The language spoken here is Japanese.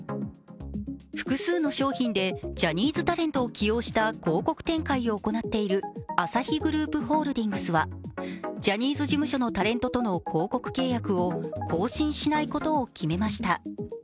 複数の商品でジャニーズタレントを起用した広告展開を行っているアサヒグループホールディングスはジャニーズ事務所のタレントとの広告契約を更新しないことを決めました。